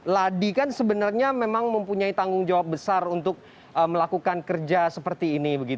ladi kan sebenarnya memang mempunyai tanggung jawab besar untuk melakukan kerja seperti ini